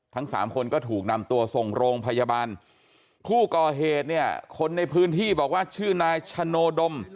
ทั้งสามคนก็ถูกนำตัวส่งโรงพยาบาลผู้ก่อเหตุเนี่ยคนในพื้นที่บอกว่าชื่อนายชโนดม